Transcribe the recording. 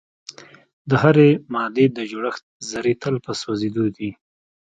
د هرې مادې د جوړښت ذرې تل په خوځیدو دي.